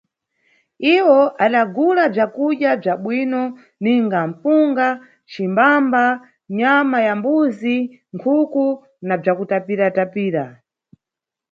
Iwo adagula bzakudya bzabwino ninga mpunga, cimbamba, nyama ya mbuzi, nkhuku na bzakutapiratapira.